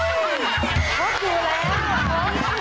ครบอยู่แล้ว